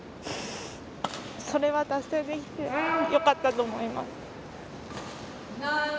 それは達成できてよかったと思います。